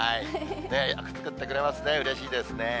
よく作ってくれますね、うれしいですね。